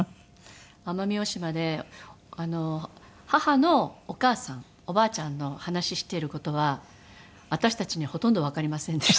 奄美大島で母のお母さんおばあちゃんの話している事は私たちにはほとんどわかりませんでした。